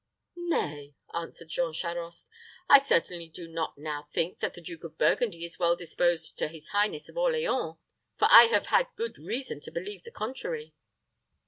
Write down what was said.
"Nay," answered Jean Charost; "I certainly do not now think that the Duke of Burgundy is well disposed to his highness of Orleans; for I have had good reason to believe the contrary."